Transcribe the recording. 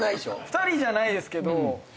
２人じゃないですけど。